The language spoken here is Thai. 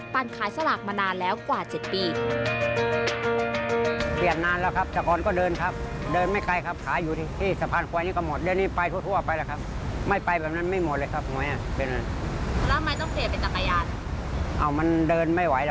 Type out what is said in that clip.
ขายสลากมานานแล้วกว่า๗ปี